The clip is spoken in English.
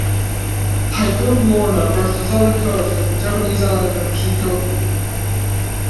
Typhoon Lorna brushed the southern coast of the Japanese island of Shikoku.